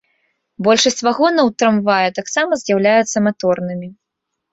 Большасць вагонаў трамвая таксама з'яўляюцца маторнымі.